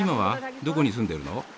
どこに住んでるの？